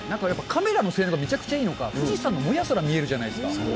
やっぱカメラの性能がめちゃくちゃいいのか、富士山のもやすら見えるじゃないですか。